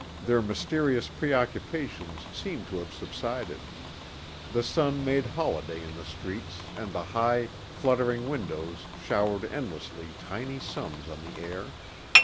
Their mysterious preoccupations seemed to have subsided. The sun made holiday in the streets and the high, fluttering windows showered endless tiny suns on the air.